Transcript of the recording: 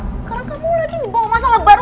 sekarang kamu lagi dibawa masalah baru